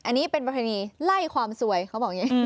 อันนี้เป็นประเพณีไล่ความสวยเขาบอกอย่างนี้